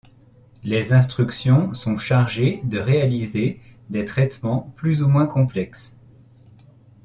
Les instructions sont chargées de réaliser des traitements plus ou moins complexes.